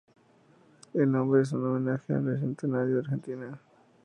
El nombre es un homenaje al Bicentenario de Argentina.